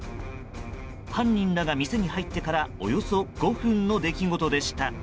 犯人らが店に入ってからおよそ５分の出来事でした。